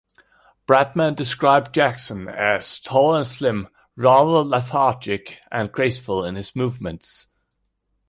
Bradman described Jackson as "tall and slim, rather lethargic and graceful in his movements".